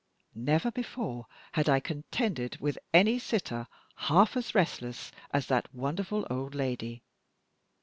Never before had I contended with any sitter half as restless as that wonderful old lady.